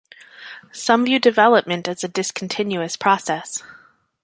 Some view development as a "discontinuous" process.